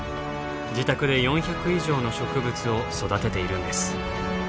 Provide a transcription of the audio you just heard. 自宅で４００以上の植物を育てているんです。